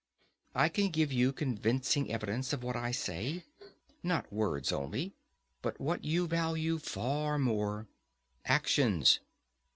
I can give you convincing evidence of what I say, not words only, but what you value far more—actions.